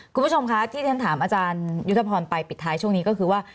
คุณผู้ชมคะที่ฉันถามอาจารยุทธพรไปปิดท้ายช่วงนี้ก็คือว่า